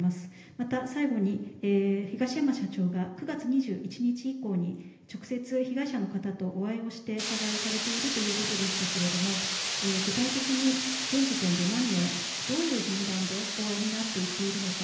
また、最後に東山社長が９月２１日以降に直接、被害者の方とお会いをして謝罪をされているということでしたけど具体的に現時点で何名どういう順番でお会いになっているのか。